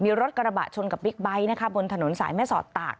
มีรถกระบะชนกับบิ๊กไบท์นะคะบนถนนสายแม่สอดตาก